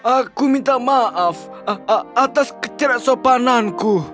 aku minta maaf atas kecerosopananku